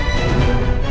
nih ga ada apa apa